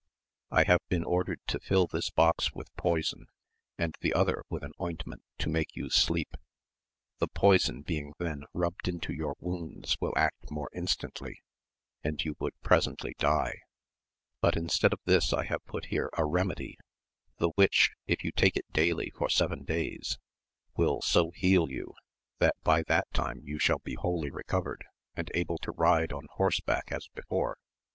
I have been ordered to fill this box with poison, and the other with an ointment to make you sleep ; the AMADIS OF GAUL. €5 poison being then rubbed into your wounds will act more instantly, and you would presently die ; but in stead of this I have put here a remedy, the which, if you take it daily for seven days, will so heal you, that by that time you shall be wholly recovered, and able to ride on horseback as before.